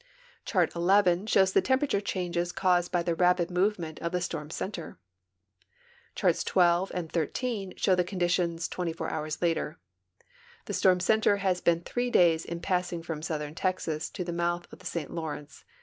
Chart XI shows the temperature changes caused liy the rapid movement of the storm center. Charts XII and XIII show the conditions 24 hours later. The storm center has been three days in i)assing from southern Texas to the mouth of the St Lawrence.